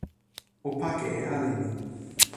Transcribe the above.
o pake e ale ni!